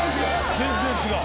「全然違う。